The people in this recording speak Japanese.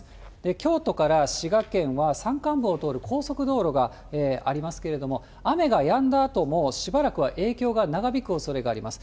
京都から滋賀県は山間部を通る高速道路がありますけれども、雨がやんだあともしばらくは影響が長引くおそれがあります。